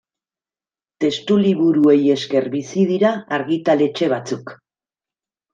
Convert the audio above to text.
Testuliburuei esker bizi dira argitaletxe batzuk.